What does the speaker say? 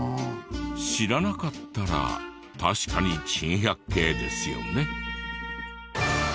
知らなかったら確かに珍百景ですよね。